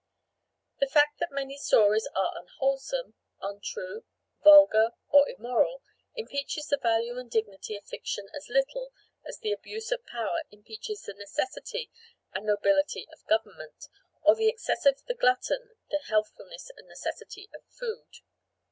The fact that many stories are unwholesome, untrue, vulgar or immoral impeaches the value and dignity of fiction as little as the abuse of power impeaches the necessity and nobility of government, or the excess of the glutton the healthfulness and necessity of food.